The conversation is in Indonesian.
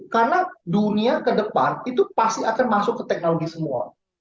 karena dunia kedepan itu pasti akan masuk ke teknologi semua